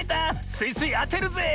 スイスイあてるぜ！